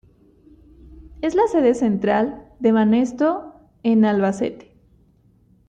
Es la sede central de Banesto en Albacete.